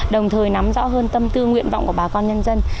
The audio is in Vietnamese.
đồng thời nắm rõ hơn tâm tư nguyện vọng của bà con nhân dân